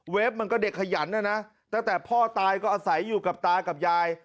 มันก็เด็กขยันนะนะตั้งแต่พ่อตายก็อาศัยอยู่กับตากับยาย